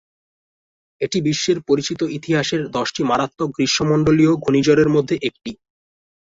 এটি বিশ্বের পরিচিত ইতিহাসের দশটি মারাত্মক গ্রীষ্মমন্ডলীয় ঘূর্ণিঝড়ের মধ্যে একটি।